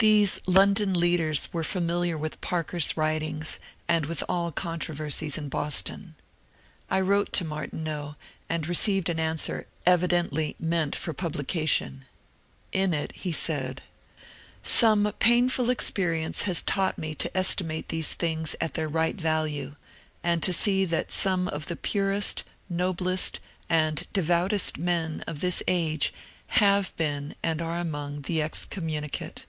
These London leaders were familiar with Parker's writings and with all controversies in Boston. I wrote to Martineau, and received an answer evidently meant for pub lication. In it he said :— 298 MONCURE DANIEL CONWAY Some painful experience has taught me to estimate these things at their right value, and to see that some of the purest, noblest, and devoutest men of this age have been and are among the excommunicate.